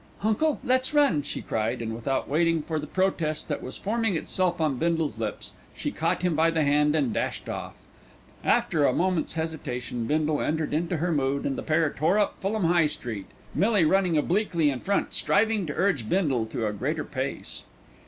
"Uncle, let's run," she cried; and without waiting for the protest that was forming itself on Bindle's lips, she caught him by the hand and dashed off. After a moment's hesitation Bindle entered into her mood and the pair tore up Fulham High Street, Millie running obliquely in front, striving to urge Bindle to a greater pace.